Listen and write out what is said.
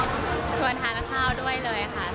ก็เลยชวนทานกะเข้าด้วยเลยค่ะ